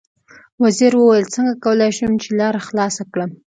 وزیر وویل: څنګه کولای شم چې لاره خلاصه کړم.